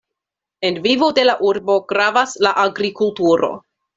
En vivo de la urbo gravas la agrikulturo.